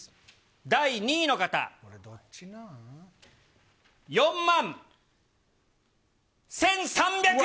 第２位の方、４万１３００円！